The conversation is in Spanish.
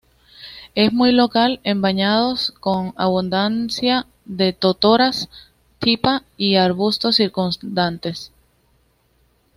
Es muy local en bañados con abundancia de totoras "Typha" y arbustos circundantes.